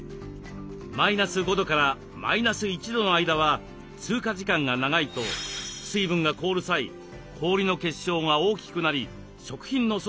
マイナス５度からマイナス１度の間は通過時間が長いと水分が凍る際氷の結晶が大きくなり食品の組織を損なうのです。